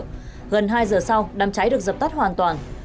gần hai giờ sau đám cháy được dập tắt hoàn toàn